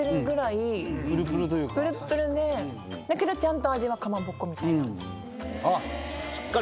だけどちゃんと味はかまぼこみたいな。